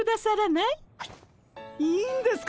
いいんですか！？